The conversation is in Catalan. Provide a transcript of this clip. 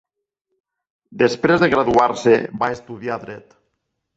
Després de graduar-se, va estudiar Dret.